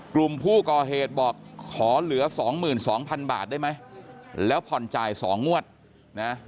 กลุ่มผู้ก่อเหตุบอกขอเหลือ๒๒๐๐๐บาทได้ไหมแล้วผ่อนจ่าย๒มวดนะ